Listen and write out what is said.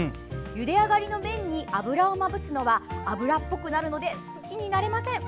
ゆであがりの麺に油をまぶすのは油っぽくなるので好きになれません。